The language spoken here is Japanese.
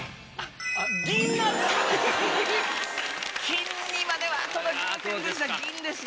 金にまでは届きませんでした銀でした。